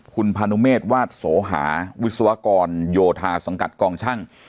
คุณพานุเมษวาดโสหาวิศวกรโยธาสังกัดกองช่าง